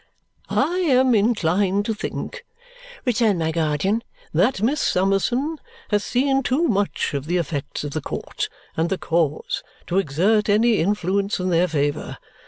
"I am inclined to think," returned my guardian, "that Miss Summerson has seen too much of the effects of the court and the cause to exert any influence in their favour.